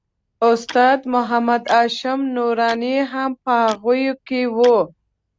استاد محمد هاشم نوراني هم په هغوی کې و.